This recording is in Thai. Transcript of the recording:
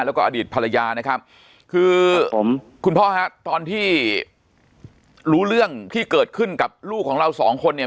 แล้วก็อดีตภรรยานะครับคือคุณพ่อฮะตอนที่รู้เรื่องที่เกิดขึ้นกับลูกของเราสองคนเนี่ย